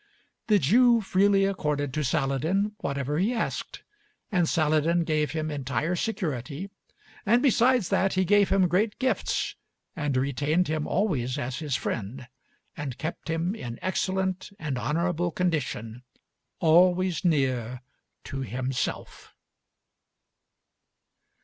The Jew freely accorded to Saladin whatever he asked, and Saladin gave him entire security, and besides that he gave him great gifts and retained him always as his friend, and kept him in excellent and honorable condition always near to himself.